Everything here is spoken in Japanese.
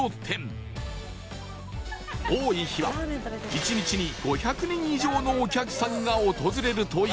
多い日は１日に５００人以上のお客さんが訪れるという